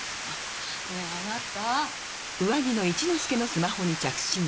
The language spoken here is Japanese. ねぇあなた。